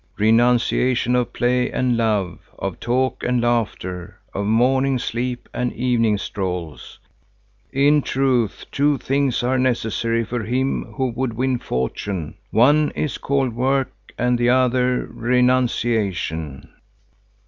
Renunciation of play and love, of talk and laughter, of morning sleep and evening strolls. In truth, in truth, two things are necessary for him who would win fortune. One is called work, and the other renunciation."